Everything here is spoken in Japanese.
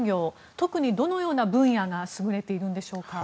特にどのような分野が優れているんでしょうか。